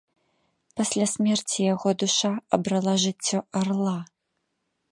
Пасля смерці яго душа абрала жыццё арла.